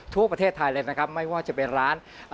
ทั่วประเทศไทยเลยนะครับไม่ว่าจะเป็นร้าน